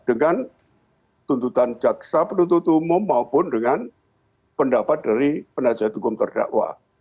dengan tuntutan jaksa penuntut umum maupun dengan pendapat dari penasihat hukum terdakwa